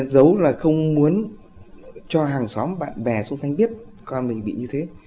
giấu là không muốn cho hàng xóm bạn bè xung quanh biết con mình bị như thế